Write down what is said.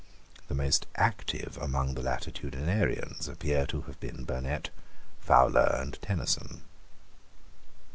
The most active among the Latitudinarians appear to have been Burnet, Fowler, and Tenison.